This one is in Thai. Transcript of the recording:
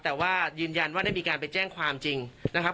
แต่ว่ายืนยันว่าได้มีการไปแจ้งความจริงนะครับ